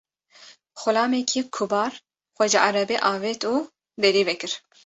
Xulamekî kubar xwe ji erebê avêt û derî vekir.